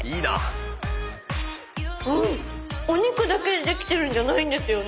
お肉だけでできてるんじゃないんですよね。